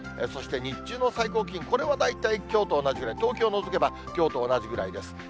そして日中の最高気温、これは大体きょうと同じくらい、東京除けば、きょうと同じくらいです。